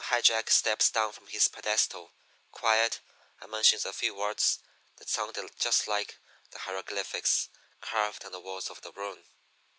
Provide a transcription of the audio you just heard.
"And then High Jack steps down from his pedestal, quiet, and mentions a few words that sounded just like the hieroglyphics carved on the walls of the ruin.